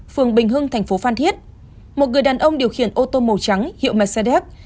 phường bình hưng thành phố phan thiết một người đàn ông điều khiển ô tô màu trắng hiệu mercedes